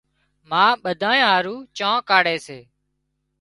ما ٻڌانئين هارو چانه ڪاڙهي سي